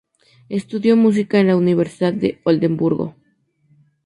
Estudió música en la Universidad de Oldenburgo.